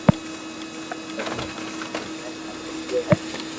توئي ھڻاو ھمي مني ٿارو مئسلو ھي